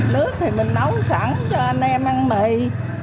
nước thì mình nấu sẵn cho anh em ăn bị